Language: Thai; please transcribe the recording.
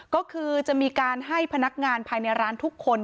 ก็คือจะมีการให้พนักงานภายในร้านทุกคน